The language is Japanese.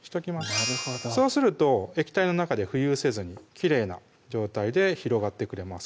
なるほどそうすると液体の中で浮遊せずにきれいな状態で広がってくれます